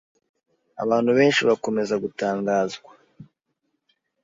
Abantu benshi bakomeza gutangazwa